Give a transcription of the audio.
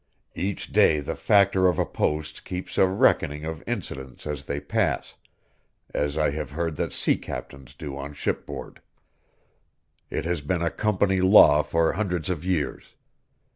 "Each day the Factor of a post keeps a reckoning of incidents as they pass, as I have heard that sea captains do on shipboard. It has been a company law for hundreds of years.